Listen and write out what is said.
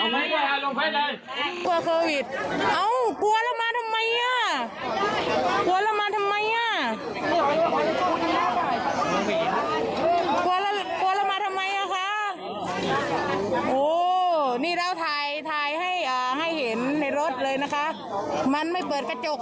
มันไม่เปิดกระจกเราก็เอาโซนโสละแปลงแนบกระจก